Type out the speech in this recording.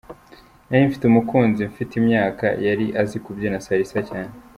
Nari mfite umukunzi mfite imyaka yari azi kubyina Salsa cyane.